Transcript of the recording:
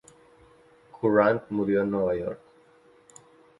Courant murió en Nueva York.